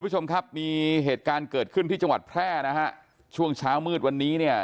คุณผู้ชมครับมีเหตุการณ์เกิดขึ้นที่จังหวัดแพร่นะฮะช่วงเช้ามืดวันนี้เนี่ย